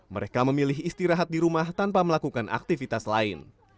mereka memilih istirahat di rumah tanpa melakukan aktivitas lain